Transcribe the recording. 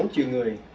bốn triệu người